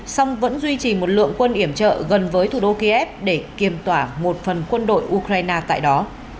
song vẫn duy trì một lượng quân yểm trợ gần với thủ đô kiev để kiềm tỏa một phần quân đội ukraine tại đó